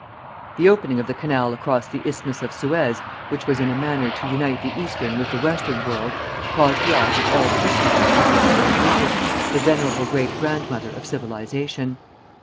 _] The opening of the canal across the isthmus of Suez, which was in a manner to unite the Eastern with the Western world, caused the eyes of all Christendom to be fixed on Egypt, the venerable great grandmother of civilization.